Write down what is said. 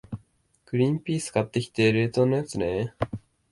グリンピース買ってきて、冷凍のやつね。